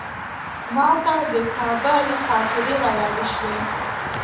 ماته د کابل خاطرې رایادې شوې.